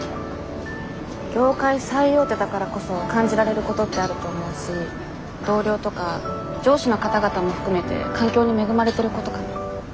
業界最大手だからこそ感じられることってあると思うし同僚とか上司の方々も含めて環境に恵まれてることかな。